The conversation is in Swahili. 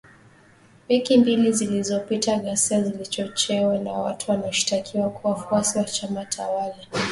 Wiki mbili zilizopita ghasia zilichochewa na watu wanaoshtakiwa kuwa wafuasi wa chama tawala